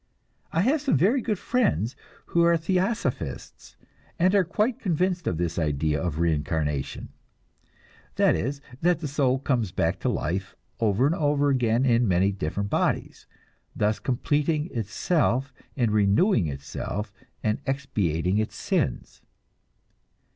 I have some very good friends who are Theosophists, and are quite convinced of this idea of reincarnation; that is, that the soul comes back into life over and over again in many different bodies, thus completing itself and renewing itself and expiating its sins.